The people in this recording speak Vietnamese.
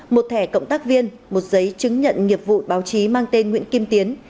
một thẻ cộng tác viên một giấy chứng nhận nghiệp vụ báo chí mang tên nguyễn kim tiến